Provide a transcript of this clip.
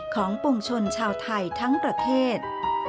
ของปวงชนชาวไทยทั้งประเทศ